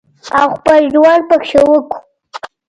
او خپل ژوند پکې وکړو